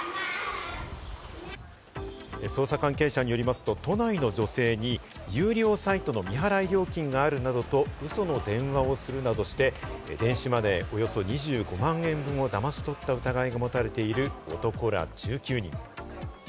捜査関係者によりますと、都内の女性に有料サイトの未払い料金があるなどとウソの電話をするなどして、電子マネーおよそ２５万円分をだまし取った疑いが持たれている男ら１９人。